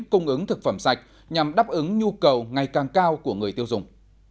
cung ứng thực phẩm sạch nhằm đáp ứng nhu cầu ngày càng cao của người tiêu dùng